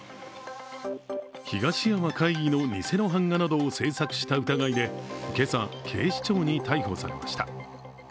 東山魁夷の偽の版画などを制作した疑いで今朝、警視庁に逮捕されました。